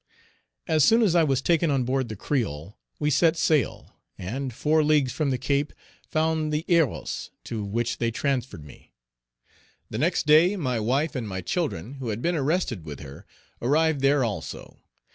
As soon as I was taken on board the Créole, we set sail, and, four leagues from the Cape, found the Héros, to which they transferred me. The next day, my wife and my children, who had been arrested with her, arrived there also.